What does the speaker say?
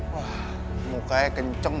wah mukanya kenceng